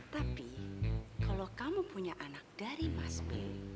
tapi kalau kamu punya anak dari mas b